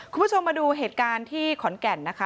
คุณผู้ชมมาดูเหตุการณ์ที่ขอนแก่นนะคะ